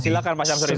silakan pak sam rizal